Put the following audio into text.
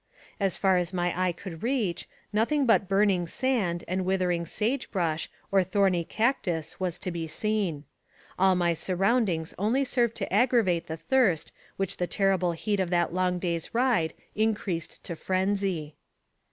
As far as my eye could reach, nothing but burning sand, and withering sage brush or thorny cac tus, was to be seen. All my surroundings only served to aggravate the thirst which the terrible heat of that long day's ride increased to frenzy.